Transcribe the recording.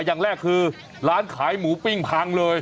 อย่างแรกคือร้านขายหมูปิ้งพังเลย